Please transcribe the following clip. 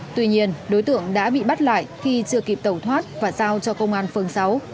tuy nhiên đối tượng đã bị bắt lại khi chưa kịp tẩu thoát và giao cho công an phường sáu